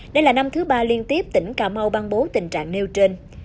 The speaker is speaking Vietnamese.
đây là năm thứ ba liên tiếp tỉnh cà mau ban bố tình trạng nêu trên